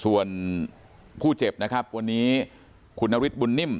ส่วนผู้เจ็บนะครับวันนี้คุณนฤทธบุญนิ่ม